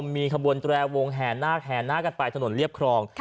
มีขบวนแทรกวงแห่งหน้าแห่งหน้ากันไปถนนเรียบครอง